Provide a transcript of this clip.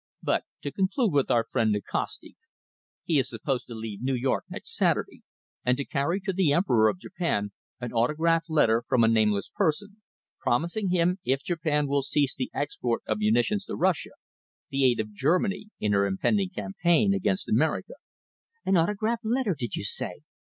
But to conclude with our friend Nikasti. He is supposed to leave New York next Saturday, and to carry to the Emperor of Japan an autograph letter from a nameless person, promising him, if Japan will cease the export of munitions to Russia, the aid of Germany in her impending campaign against America." "An autograph letter, did you say?"